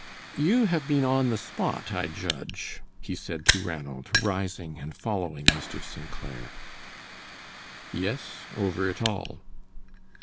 "You have been on the spot, I judge," he said to Ranald, rising and following Mr. St. Clair. "Yes, over it all."